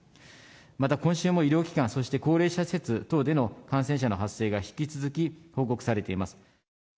また、今週も医療機関、そして高齢者施設等での感染者の発生が、引き続き報告されています。